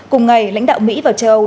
cùng ngày lãnh đạo mỹ và châu âu